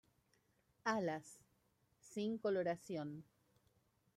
Alas: sin coloración.